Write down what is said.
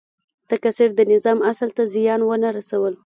تکثیر د نظام اصل ته زیان ونه رسول.